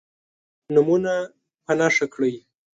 نومونه په نښه کړئ.